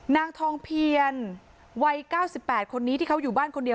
นางทองเพียรวัย๙๘คนนี้ที่เขาอยู่บ้านคนเดียว